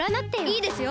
いいですよ